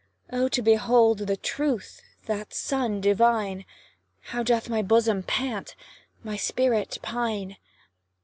Oh! to behold the truth that sun divine, How doth my bosom pant, my spirit pine!